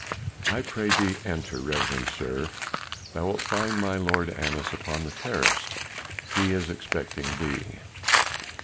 "I pray thee enter, reverend sir, thou wilt find my lord Annas upon the terrace. He is expecting thee."